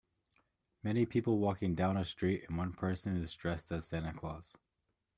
Many people walking down a street and one person is dressed as Santa Claus.